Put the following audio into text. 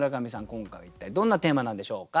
今回は一体どんなテーマなんでしょうか。